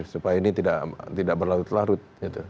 supaya ini tidak berlarut larut